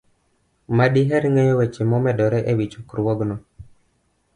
ma diher ng'eyo weche momedore e wi chokruogno.